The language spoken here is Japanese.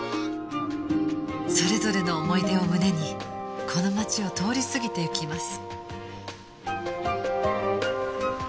それぞれの思い出を胸にこの街を通り過ぎていきます